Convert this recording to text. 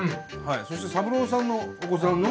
そして三郎さんのお子さんの？